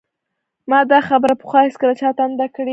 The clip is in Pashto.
ما دا خبره پخوا هیڅکله چا ته نه ده کړې